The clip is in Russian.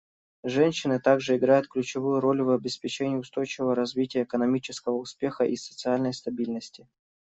Женщины также играют ключевую роль в обеспечении устойчивого развития, экономического успеха и социальной стабильности.